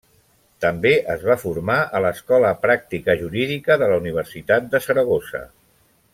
També es va formar a l'Escola Pràctica Jurídica de la Universitat de Saragossa.